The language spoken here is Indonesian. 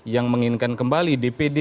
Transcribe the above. yang menginginkan kembali dpd